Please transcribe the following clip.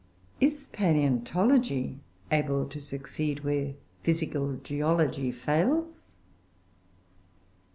Is palaeontology able to succeed where physical geology fails?